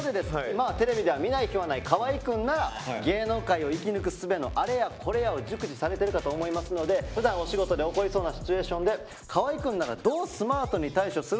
今はテレビでは見ない日はない河合くんなら芸能界を生き抜くすべのあれやこれやを熟知されてるかと思いますのでふだんお仕事で起こりそうなシチュエーションで河合くんならどうスマートに対処するのか